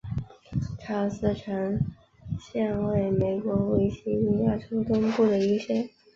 查尔斯城县位美国维吉尼亚州东部的一个县。